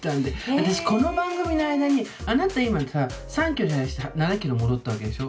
私この番組の間にあなた今さ３キロ減らして７キロ戻ったわけでしょ。